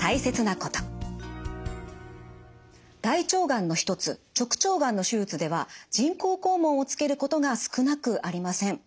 大腸がんの一つ直腸がんの手術では人工肛門をつけることが少なくありません。